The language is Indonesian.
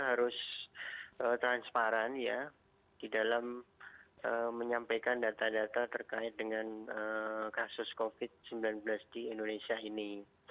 harus transparan ya di dalam menyampaikan data data terkait dengan kasus covid sembilan belas di indonesia ini